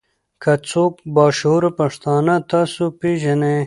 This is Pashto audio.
کۀ څوک با شعوره پښتانۀ تاسو پېژنئ